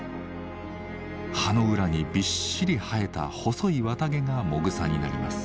葉の裏にびっしり生えた細い綿毛がもぐさになります。